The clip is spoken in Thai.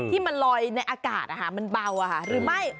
ที่มันลอยในอากาศมันเบาหรือไม่